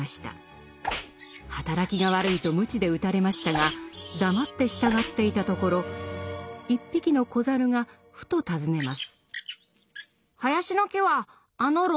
働きが悪いと鞭で打たれましたが黙って従っていたところ一匹の子猿がふと尋ねます。